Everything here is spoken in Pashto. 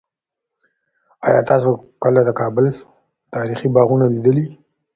آیا تاسو کله د کابل تاریخي باغونه لیدلي دي؟